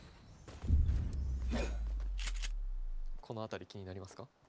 この辺り気になりますか？